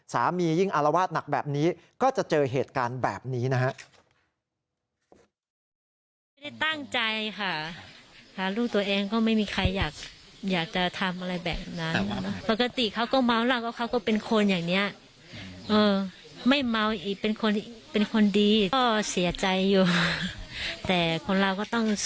ยิ่งอารวาสหนักแบบนี้ก็จะเจอเหตุการณ์แบบนี้นะฮะ